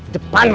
jepan mati saya